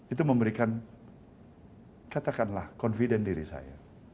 itu memberikan katakanlah confident diri saya